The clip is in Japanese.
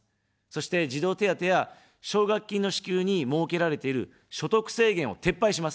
そして、児童手当や奨学金の支給に設けられている所得制限を撤廃します。